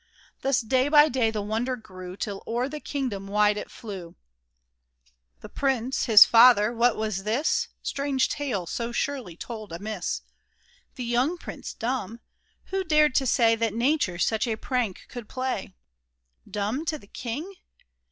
Thus day by day the wonder grew, Till o'er the kingdom wide it flew. The prince — his father — what was this Strange tale so surely told amiss ? The young prince dumb ? Who dared to say That nature such a prank could play ? Dimib to the king